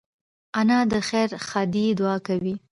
انا د خیر ښادۍ دعا کوي